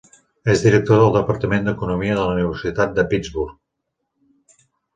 És director del departament d'Economia de la Universitat de Pittsburgh.